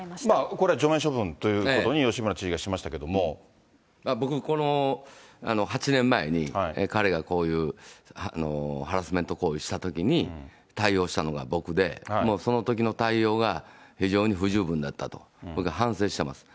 これは除名処分ということに、僕この８年前に彼がこういうハラスメント行為をしたときに、対応したのが僕で、もうそのときの対応が非常に不十分だったと、僕は反省してます。